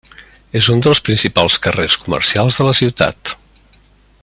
És un dels principals carrers comercials de la ciutat.